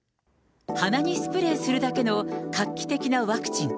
鼻にスプレーするだけの、画期的なワクチン。